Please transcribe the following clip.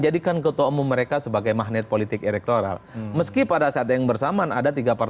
ya itu tadi